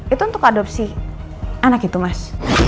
itu untuk adopsi anak itu mas